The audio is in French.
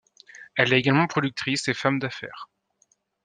Elle est également productrice et femme d'affaires.